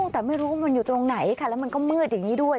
แต่ไม่รู้ว่ามันอยู่ตรงไหนค่ะแล้วมันก็มืดอย่างนี้ด้วย